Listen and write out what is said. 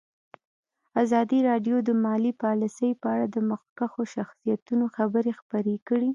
ازادي راډیو د مالي پالیسي په اړه د مخکښو شخصیتونو خبرې خپرې کړي.